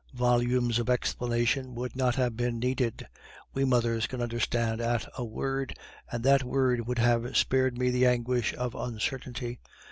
Volumes of explanation would not have been needed; we mothers can understand at a word, and that word would have spared me the anguish of uncertainty.